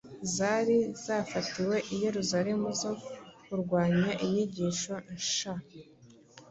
zari zafatiwe i Yerusalemu zo kurwanya inyigisho nsha.